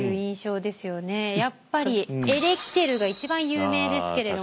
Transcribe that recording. やっぱりエレキテルが一番有名ですけれども。